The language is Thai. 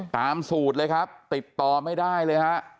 ตามสูตรเลยครับติดต่อไม่ได้เลยฮะ